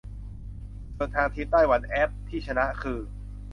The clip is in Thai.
ส่วนทางทีมไต้หวันแอปที่ชนะคือ